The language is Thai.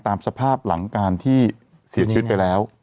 ตามสภาพหลังการที่เสียชีวิตไปแล้ว